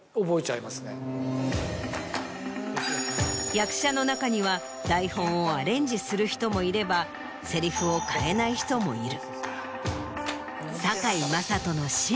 役者の中には台本をアレンジする人もいれば台詞を変えない人もいる。